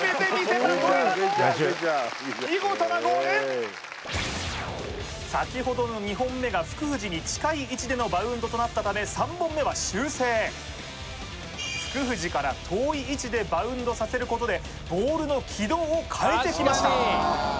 見事なゴール先ほどの２本目が福藤に近い位置でのバウンドとなったため３本目は修正福藤から遠い位置でバウンドさせることでボールの軌道を変えてきました